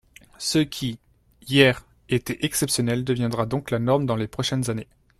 Ce qui, hier, était exceptionnel deviendra donc la norme dans les prochaines années.